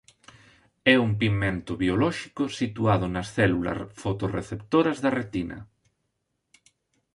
É un pigmento biolóxico situado nas células fotorreceptoras da retina.